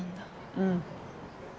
うん。